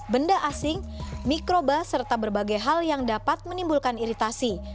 benda asing mikroba serta berbagai hal yang dapat menimbulkan iritasi